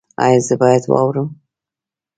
ایا زه باید واورم؟